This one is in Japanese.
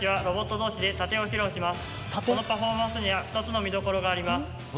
このパフォーマンスには２つの見どころがあります。